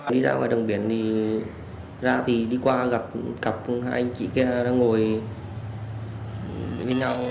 đi ra ngoài đường biển thì ra thì đi qua gặp cặp hai anh chị kia đang ngồi bên nhau